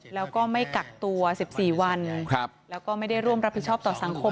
แล้วก็ไม่กักตัว๑๔วันแล้วก็ไม่ได้ร่วมรับผิดชอบต่อสังคม